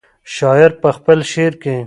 شاعر په خپل شعر کې.